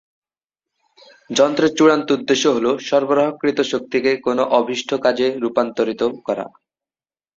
যন্ত্রের চূড়ান্ত উদ্দেশ্য হল সরবরাহকৃত শক্তিকে কোনও অভীষ্ট কাজে রূপান্তরিত করা।